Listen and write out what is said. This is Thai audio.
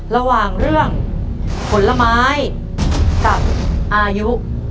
ระหว่างเรื่องผลไม้กับอายุ